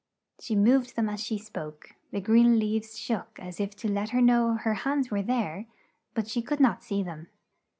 She moved them as she spoke; the green leaves shook as if to let her know her hands were there, but she could not see them.